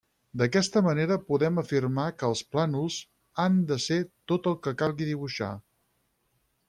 D'aquesta manera podem afirmar que els plànols han de ser tot el que calgui dibuixar.